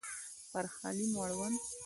پر خالي مړوند